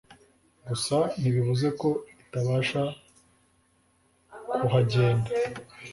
gusa ntibivuze ko itabasha kuhagenda